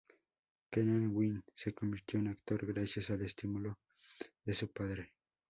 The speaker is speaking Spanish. Keenan Wynn se convirtió en actor gracias al estímulo de su padre.